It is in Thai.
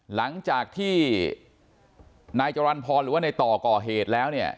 หลังจากที่นายจรรย์พรหรือว่าในต่อก่อเหตุแล้วเนี่ย